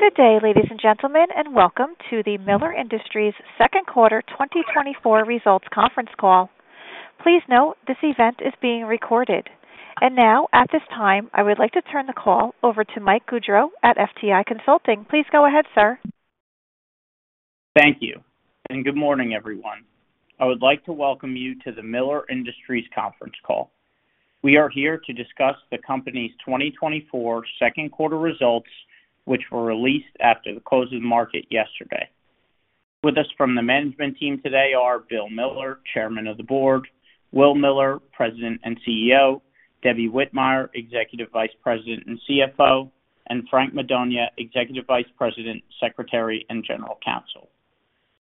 Good day, ladies and gentlemen, and welcome to the Miller Industries second quarter 2024 results conference call. Please note, this event is being recorded. Now, at this time, I would like to turn the call over to Mike Gaudreau at FTI Consulting. Please go ahead, sir. Thank you, and good morning, everyone. I would like to welcome you to the Miller Industries conference call. We are here to discuss the company's 2024 second quarter results, which were released after the close of the market yesterday. With us from the management team today are Bill Miller, Chairman of the Board, Will Miller, President and CEO, Debbie Whitmire, Executive Vice President and CFO, and Frank Madonia, Executive Vice President, Secretary, and General Counsel.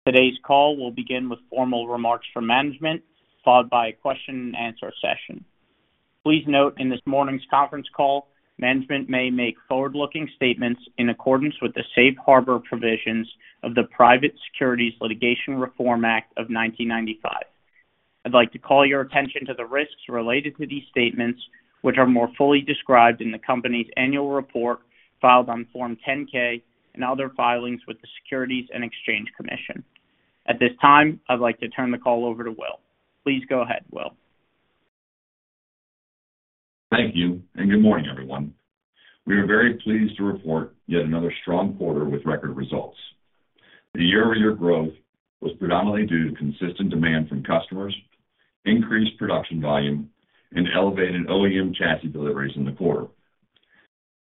Today's call will begin with formal remarks from management, followed by a question-and-answer session. Please note, in this morning's conference call, management may make forward-looking statements in accordance with the safe harbor provisions of the Private Securities Litigation Reform Act of 1995. I'd like to call your attention to the risks related to these statements, which are more fully described in the company's annual report, filed on Form 10-K and other filings with the Securities and Exchange Commission. At this time, I'd like to turn the call over to Will. Please go ahead, Will. Thank you, and good morning, everyone. We are very pleased to report yet another strong quarter with record results. The year-over-year growth was predominantly due to consistent demand from customers, increased production volume, and elevated OEM chassis deliveries in the quarter.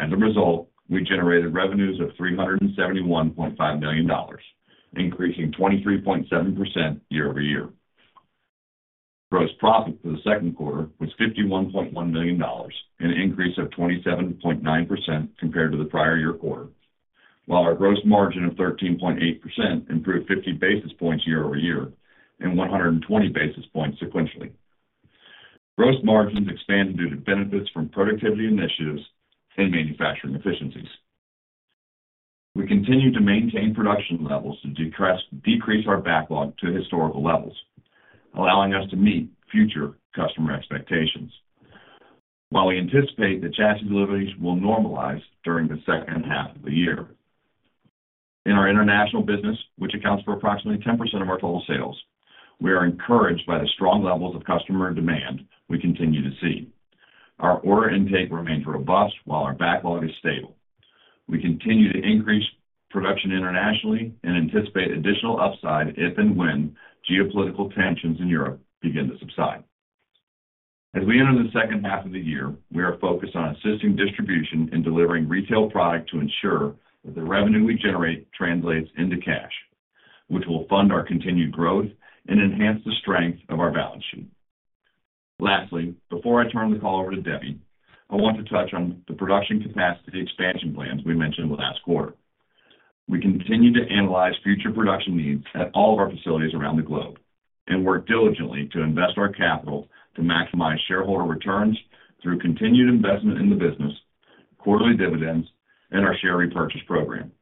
As a result, we generated revenues of $371.5 million, increasing 23.7% year-over-year. Gross profit for the second quarter was $51.1 million, an increase of 27.9% compared to the prior year quarter, while our gross margin of 13.8% improved 50 basis points year-over-year and 120 basis points sequentially. Gross margins expanded due to benefits from productivity initiatives and manufacturing efficiencies. We continue to maintain production levels to decrease our backlog to historical levels, allowing us to meet future customer expectations. While we anticipate that chassis deliveries will normalize during the second half of the year. In our international business, which accounts for approximately 10% of our total sales, we are encouraged by the strong levels of customer demand we continue to see. Our order intake remains robust, while our backlog is stable. We continue to increase production internationally and anticipate additional upside if and when geopolitical tensions in Europe begin to subside. As we enter the second half of the year, we are focused on assisting distribution and delivering retail product to ensure that the revenue we generate translates into cash, which will fund our continued growth and enhance the strength of our balance sheet. Lastly, before I turn the call over to Debbie, I want to touch on the production capacity expansion plans we mentioned last quarter. We continue to analyze future production needs at all of our facilities around the globe and work diligently to invest our capital to maximize shareholder returns through continued investment in the business, quarterly dividends, and our share repurchase program.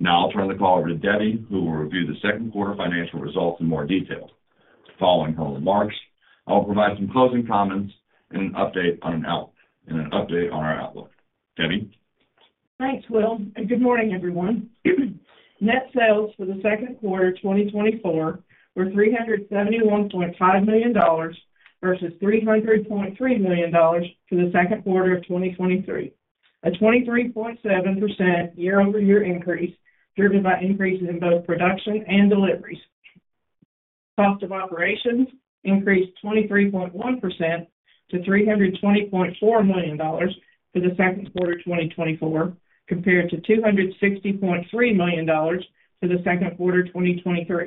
Now I'll turn the call over to Debbie, who will review the second quarter financial results in more detail. Following her remarks, I'll provide some closing comments and an update on our outlook. Debbie? Thanks, Will, and good morning, everyone. Net sales for the second quarter of 2024 were $371.5 million versus $300.3 million for the second quarter of 2023, a 23.7% year-over-year increase, driven by increases in both production and deliveries. Cost of operations increased 23.1% to $320.4 million for the second quarter of 2024, compared to $260.3 million for the second quarter of 2023.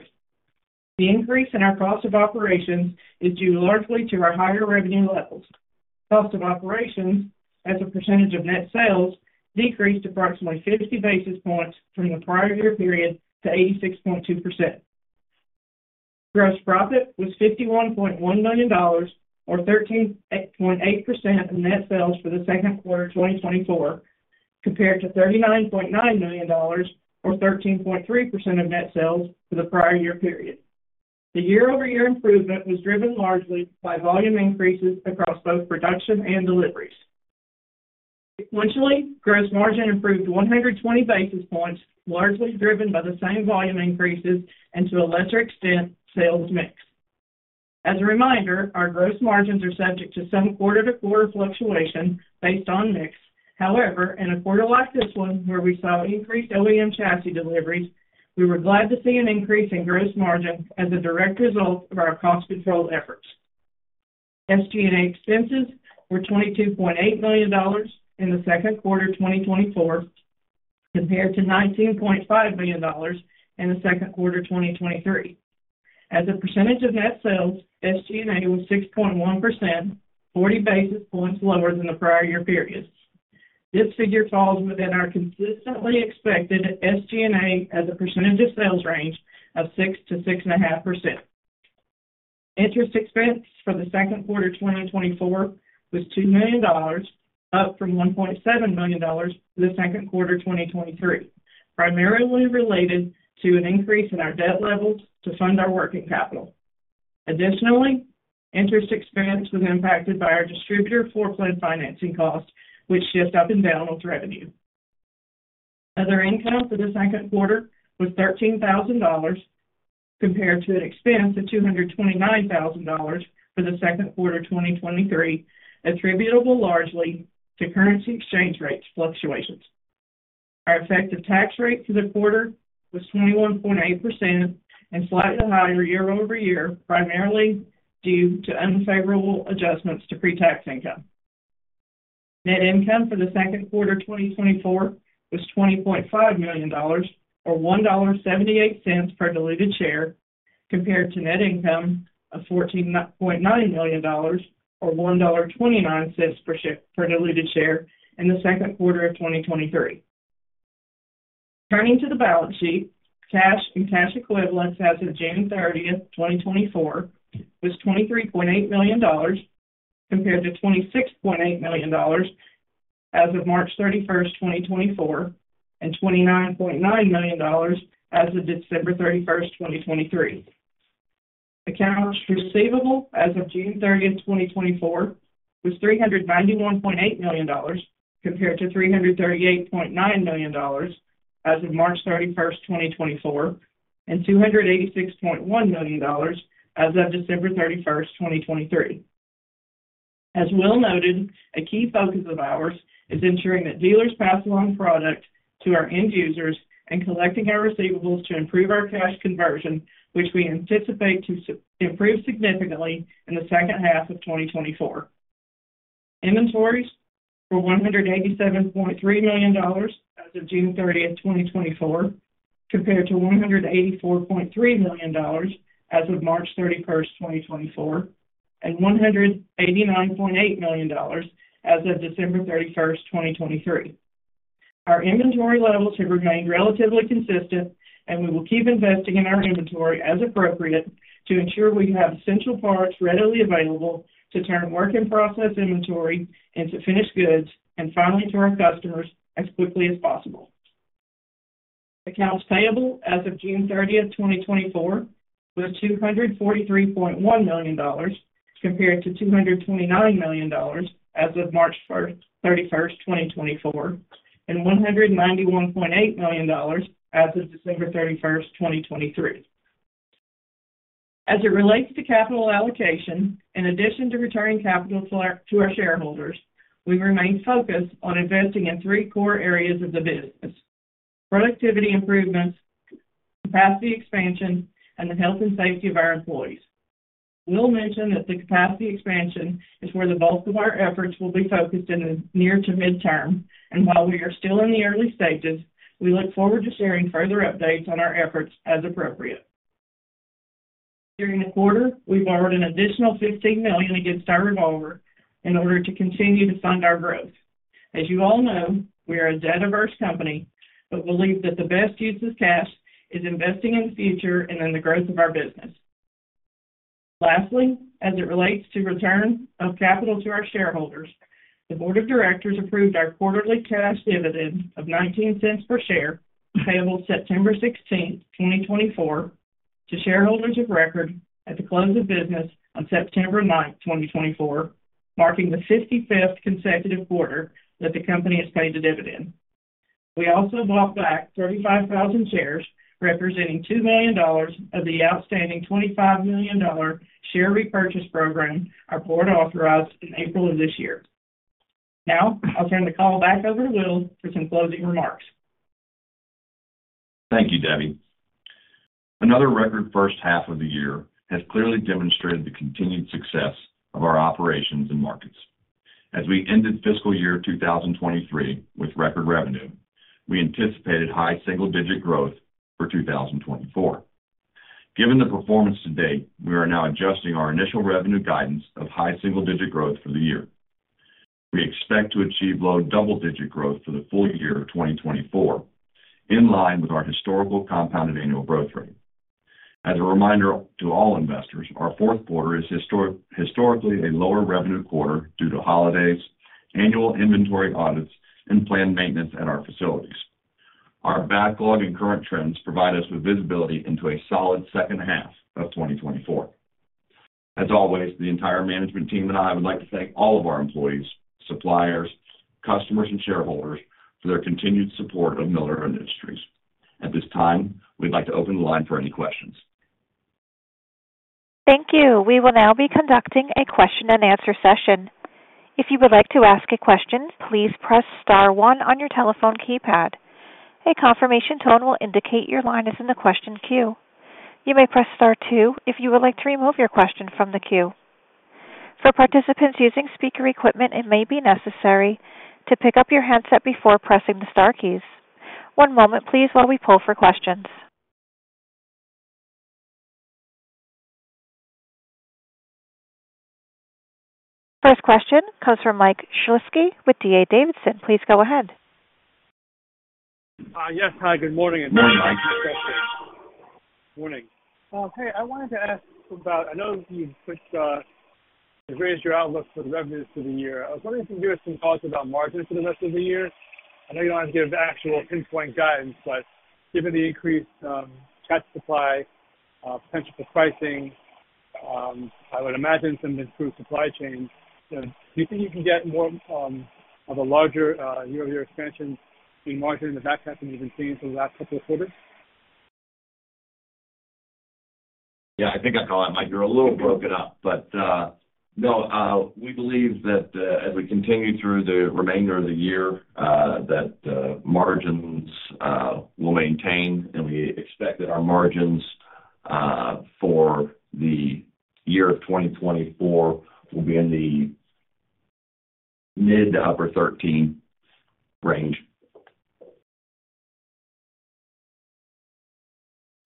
The increase in our cost of operations is due largely to our higher revenue levels. Cost of operations, as a percentage of net sales, decreased approximately 50 basis points from the prior year period to 86.2%. Gross profit was $51.1 million, or 13.8% of net sales for the second quarter of 2024, compared to $39.9 million, or 13.3% of net sales for the prior year period. The year-over-year improvement was driven largely by volume increases across both production and deliveries. Sequentially, gross margin improved 120 basis points, largely driven by the same volume increases and, to a lesser extent, sales mix. As a reminder, our gross margins are subject to some quarter-to-quarter fluctuation based on mix. However, in a quarter like this one, where we saw increased OEM chassis deliveries, we were glad to see an increase in gross margin as a direct result of our cost control efforts. SG&A expenses were $22.8 million in the second quarter of 2024, compared to $19.5 million in the second quarter of 2023. As a percentage of net sales, SG&A was 6.1%, 40 basis points lower than the prior year periods. This figure falls within our consistently expected SG&A as a percentage of sales range of 6%-6.5%. Interest expense for the second quarter of 2024 was $2 million, up from $1.7 million for the second quarter of 2023, primarily related to an increase in our debt levels to fund our working capital. Additionally, interest expense was impacted by our distributor floorplan financing costs, which shift up and down with revenue. Other income for the second quarter was $13,000 compared to an expense of $229,000 for the second quarter of 2023, attributable largely to currency exchange rates fluctuations. Our effective tax rate for the quarter was 21.8% and slightly higher year-over-year, primarily due to unfavorable adjustments to pre-tax income. Net income for the second quarter 2024 was $20.5 million, or $1.78 per diluted share, compared to net income of $14.9 million, or $1.29 per diluted share in the second quarter of 2023. Turning to the balance sheet, cash and cash equivalents as of June 30th, 2024, was $23.8 million compared to $26.8 million as of March 31st, 2024, and $29.9 million as of December 31st, 2023. Accounts receivable as of June 30th, 2024, was $391.8 million compared to $338.9 million as of March 31st, 2024, and $286.1 million as of December 31st, 2023. As Will noted, a key focus of ours is ensuring that dealers pass along product to our end users and collecting our receivables to improve our cash conversion, which we anticipate to improve significantly in the second half of 2024. Inventories were $187.3 million as of June 13th, 2024, compared to $184.3 million as of March 31st, 2024, and $189.8 million as of December 31st, 2023. Our inventory levels have remained relatively consistent, and we will keep investing in our inventory as appropriate to ensure we have essential parts readily available to turn work-in-process inventory into finished goods and finally to our customers as quickly as possible. Accounts payable as of June 13th, 2024, was $243.1 million compared to $229 million as of March 31st, 2024, and $191.8 million as of December 31st, 2023. As it relates to capital allocation, in addition to returning capital to our, to our shareholders, we remain focused on investing in three core areas of the business: productivity improvements, capacity expansion, and the health and safety of our employees. Will mentioned that the capacity expansion is where the bulk of our efforts will be focused in the near to midterm, and while we are still in the early stages, we look forward to sharing further updates on our efforts as appropriate. During the quarter, we borrowed an additional $15 million against our revolver in order to continue to fund our growth. As you all know, we are a debt-averse company, but believe that the best use of cash is investing in the future and in the growth of our business. Lastly, as it relates to return of capital to our shareholders, the board of directors approved our quarterly cash dividend of $0.19 per share, payable September 16th, 2024, to shareholders of record at the close of business on September 9th, 2024, marking the 55th consecutive quarter that the company has paid a dividend. We also bought back 35,000 shares, representing $2 million of the outstanding $25 million share repurchase program our board authorized in April of this year. Now I'll turn the call back over to Will for some closing remarks. Thank you, Debbie. Another record first half of the year has clearly demonstrated the continued success of our operations and markets. As we ended fiscal year 2023 with record revenue, we anticipated high single-digit growth for 2024. Given the performance to date, we are now adjusting our initial revenue guidance of high single-digit growth for the year. We expect to achieve low double-digit growth for the full year of 2024, in line with our historical compounded annual growth rate. As a reminder to all investors, our fourth quarter is historically a lower revenue quarter due to holidays, annual inventory audits, and planned maintenance at our facilities. Our backlog and current trends provide us with visibility into a solid second half of 2024. As always, the entire management team and I would like to thank all of our employees, suppliers, customers, and shareholders for their continued support of Miller Industries. At this time, we'd like to open the line for any questions. Thank you. We will now be conducting a question-and-answer session. If you would like to ask a question, please press star one on your telephone keypad. A confirmation tone will indicate your line is in the question queue. You may press star two if you would like to remove your question from the queue. For participants using speaker equipment, it may be necessary to pick up your handset before pressing the star keys. One moment, please, while we pull for questions. First question comes from Mike Shlisky with D.A. Davidson. Please go ahead. Yes. Hi, good morning and- Good morning. Morning. Hey, I wanted to ask about... I know you've put, You've raised your outlook for the revenues for the year. I was wondering if you could give us some thoughts about margins for the rest of the year. I know you don't want to give actual pinpoint guidance, but given the increased chassis supply, potential for pricing, I would imagine some improved supply chain. So do you think you can get more of a larger year-over-year expansion in margin in the back half than you've been seeing for the last couple of quarters? Yeah, I think I caught that, Mike. You're a little broken up, but no, we believe that as we continue through the remainder of the year, that margins will maintain, and we expect that our margins for the year of 2024 will be in the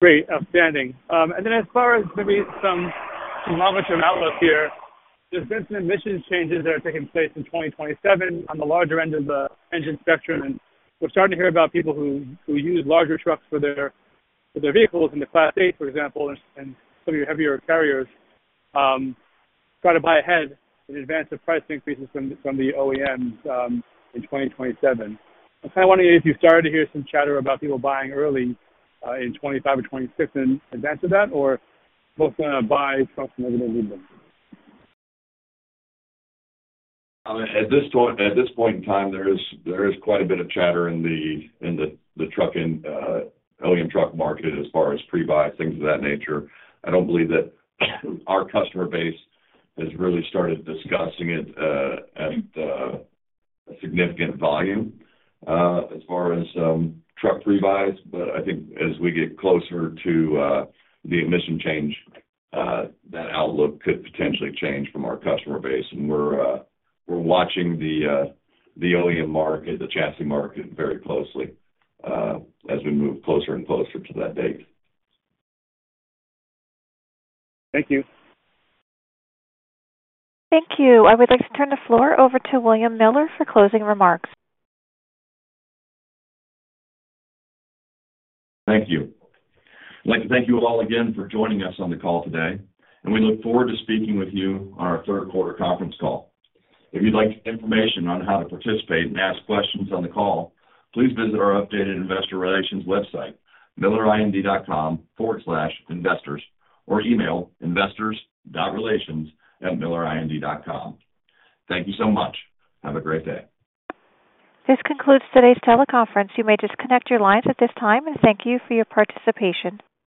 mid- to upper-13 range. Great. Outstanding. And then as far as maybe some longer-term outlook here, there's been some emissions changes that are taking place in 2027 on the larger end of the engine spectrum, and we're starting to hear about people who use larger trucks for their vehicles in the Class 8, for example, and some of your heavier carriers try to buy ahead in advance of price increases from the OEMs in 2027. I was kind of wondering if you started to hear some chatter about people buying early in 2025 or 2026 in advance of that, or folks going to buy trucks from everything they need them? At this point, at this point in time, there is, there is quite a bit of chatter in the, in the, the trucking, OEM truck market as far as pre-buy, things of that nature. I don't believe that our customer base has really started discussing it, at, a significant volume, as far as, truck pre-buys. But I think as we get closer to, the emission change, that outlook could potentially change from our customer base. And we're, we're watching the, the OEM market, the chassis market, very closely, as we move closer and closer to that date. Thank you. Thank you. I would like to turn the floor over to William Miller for closing remarks. Thank you. I'd like to thank you all again for joining us on the call today, and we look forward to speaking with you on our third quarter conference call. If you'd like information on how to participate and ask questions on the call, please visit our updated investor relations website, millerind.com/investors, or email investor.relations@millerind.com. Thank you so much. Have a great day. This concludes today's teleconference. You may disconnect your lines at this time, and thank you for your participation.